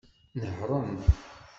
Nehṛen.